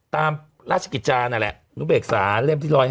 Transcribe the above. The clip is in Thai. ตามราชกิจจานั่นแหละนุเบกษาเล่มที่๑๕